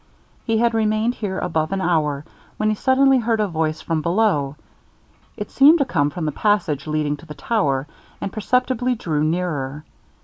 He had remained here above an hour, when he suddenly heard a voice from below. It seemed to come from the passage leading to the tower, and perceptibly drew nearer.